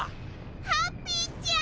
ハッピーちゃん！